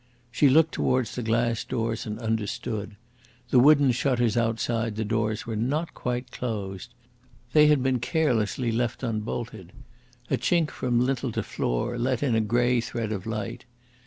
She looked towards the glass doors and understood. The wooden shutters outside the doors were not quite closed. They had been carelessly left unbolted. A chink from lintel to floor let in a grey thread of light.